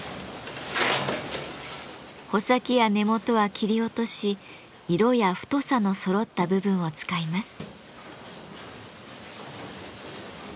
穂先や根元は切り落とし色や太さのそろった部分を使います。